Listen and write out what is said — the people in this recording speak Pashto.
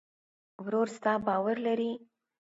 ورور ستا باور لري.